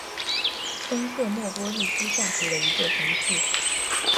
东瑟莫波利斯下属的一座城市。